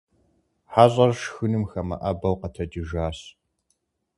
Хьэщӏэр шхыным хэмыӀэбэу къэтэджыжащ.